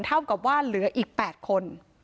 เท่ากับว่าเหลืออีก๘คน